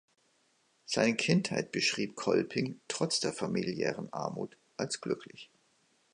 Seine Kindheit beschrieb Kolping trotz der familiären Armut als glücklich.